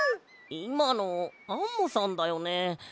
いまのアンモさんだよね？